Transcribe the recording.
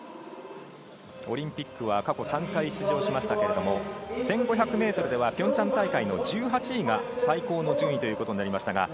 オリンピックは過去３回出場しましたけれど１５００ｍではピョンチャン大会の１８位が最高の順位です。